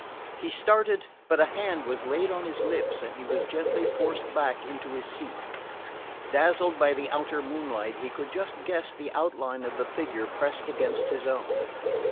He started, but a hand was laid on his lips and he was gently forced back into his seat. Dazzled by the outer moonlight he could just guess the outline of the figure pressed against his own.